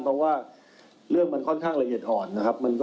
เพราะว่าเรื่องมันค่อนข้างละเอียดอ่อนนะครับ